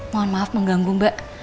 mohon maaf mengganggu mbak